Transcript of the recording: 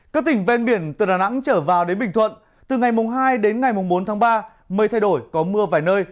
các tỉnh ven biển từ đà nẵng trở vào đến bình thuận từ ngày hai đến ngày bốn tháng ba mây thay đổi có mưa vài nơi